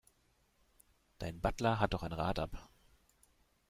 Dein Butler hat doch ein Rad ab.